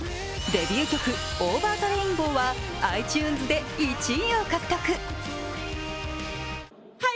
デビュー曲、「ＯｖｅｒｔｈｅＲａｉｎｂｏｗ」はｉＴｕｎｅｓで１位を獲得。